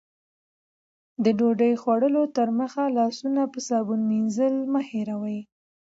د ډوډۍ خوړلو تر مخه لاسونه په صابون مینځل مه هېروئ.